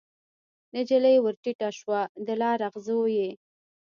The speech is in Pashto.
نجلۍ ورټیټه شوه د لار اغزو یې